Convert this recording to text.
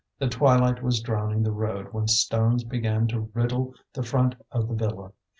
The twilight was drowning the road when stones began to riddle the front of the villa.